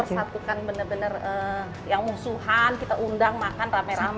satukan benar benar yang musuhan kita undang makan rame rame